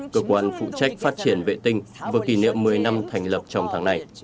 cơ quan phụ trách phát triển vệ tinh vừa kỷ niệm một mươi năm thành lập trong tháng này